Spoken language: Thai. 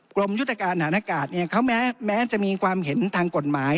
กรมยุทธการฐานอากาศเนี่ยเขาแม้จะมีความเห็นทางกฎหมาย